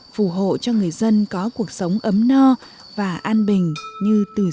phù hộ cho người dân có cuộc sống ấm no và an bình như từ xưa tới nay